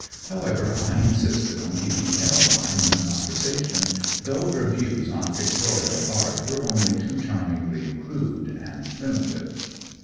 However, I insisted on keeping Caroline in the conversation, though her views on pictorial art were only too charmingly crude and primitive.